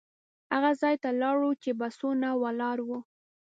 هغه ځای ته لاړو چې بسونه ولاړ وو.